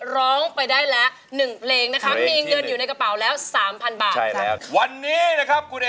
ผมมีเมียฝรั่งนะครับ